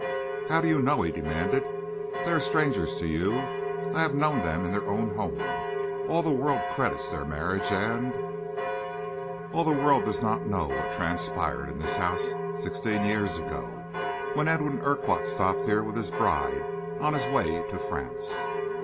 "How do you know?" he demanded. "They are strangers to you. I have known them in their own home. All the world credits their marriage, and " "All the world does not know what transpired in this house sixteen years ago, when Edwin Urquhart stopped here with his bride on his way to France."